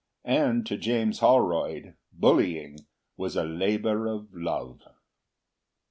And to James Holroyd bullying was a labour of love.